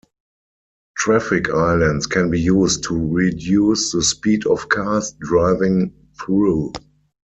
Traffic islands can be used to reduce the speed of cars driving through.